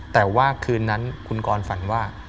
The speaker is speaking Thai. แต่ว่าคืนนั้นคุณกรฝันว่า